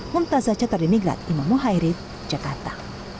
muntazah cetar demigrat imam mohairid jakarta